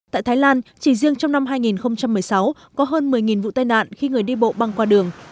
tại thái lan chỉ riêng trong năm hai nghìn một mươi sáu có hơn một mươi vụ tai nạn khi người đi bộ băng qua đường